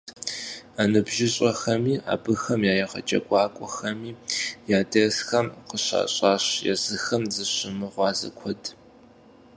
НыбжьыщӀэхэми абыхэм я егъэджакӀуэхэми а дерсхэм къыщащӀащ езыхэр зыщымыгъуазэ куэд.